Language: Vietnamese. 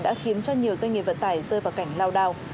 đã khiến cho nhiều doanh nghiệp vận tải rơi vào cảnh lao đao